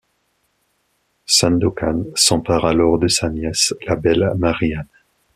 Sandokan s’empare alors de sa nièce, la belle Mary Ann…